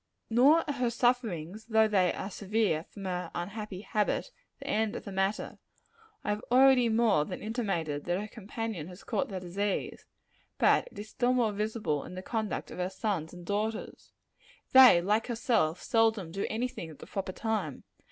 Nor are her sufferings though they are severe from her unhappy habit, the end of the matter. I have already more than intimated that her companion has caught the disease; but it is still more visible in the conduct of her sons and daughters. They, like herself, seldom do any thing at the proper time.